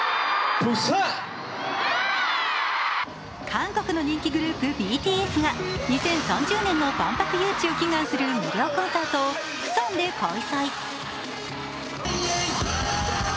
韓国の人気グループＢＴＳが２０３０年の万博誘致を祈願する無料コンサートをプサンで開催。